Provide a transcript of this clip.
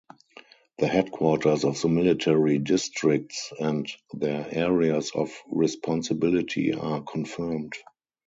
The headquarters of the military districts and their areas of responsibility are confirmed.